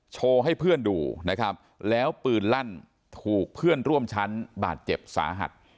โชว์ให้เพื่อนดูนะครับแล้วปืนลั่นถูกเพื่อนร่วมชั้นบาดเจ็บสาหัส